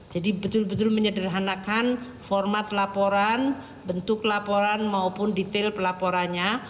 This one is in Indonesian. jadi betul betul menyederhanakan format laporan bentuk laporan maupun detail pelaporannya